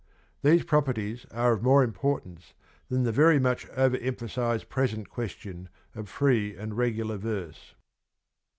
These properties are of more importance than the very much over emphasised present question of free and regular verse.